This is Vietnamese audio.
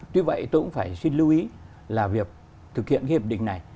tuy vậy tôi cũng phải xin lưu ý là việc thực hiện cái hiệp định này